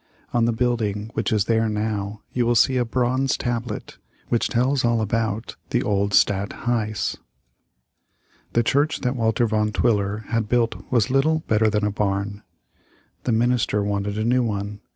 On the building which is there now you will see a bronze tablet which tells all about the old Stadt Huys. The church that Walter Van Twiller had built was little better than a barn. The minister wanted a new one.